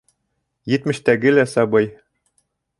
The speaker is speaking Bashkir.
Етмештәге лә сабый